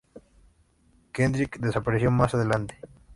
Kendrick desapareció más adelante.